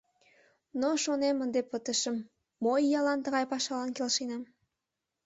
Но, шонем, ынде пытышым, мо иялан тыгай пашалан келшенам?